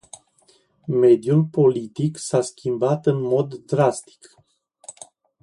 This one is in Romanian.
Mediul politic s-a schimbat în mod drastic.